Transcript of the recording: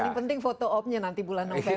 paling penting foto opnya nanti bulan november